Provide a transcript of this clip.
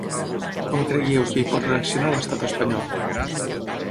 Com creieu que hi pot reaccionar l’estat espanyol?